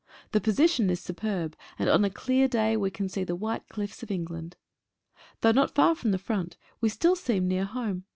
The position is superb, and on a clear day we see the white cliffs of England. Though not far from the front we still seem near home.